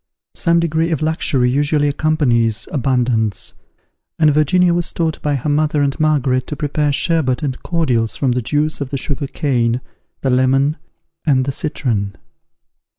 Some degree of luxury usually accompanies abundance; and Virginia was taught by her mother and Margaret to prepare sherbert and cordials from the juice of the sugar cane, the lemon and the citron.